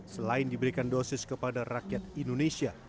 selain diberikan dosis kepada rakyat indonesia